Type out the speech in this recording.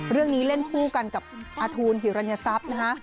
เรื่องนี้เล่นผู้กันกับอาทูลฮิรัญสัพ